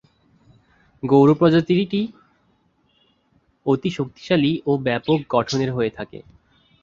গৌর প্রজাতিটি অতি শক্তিশালী ও ব্যাপক গঠনের হয়ে থাকে।